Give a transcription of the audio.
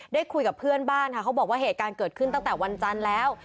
คุยกับเพื่อนบ้านค่ะเขาบอกว่าเหตุการณ์เกิดขึ้นตั้งแต่วันจันทร์แล้ว